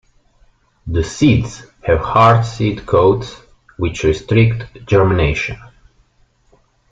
The seeds have hard seed coats which restrict germination.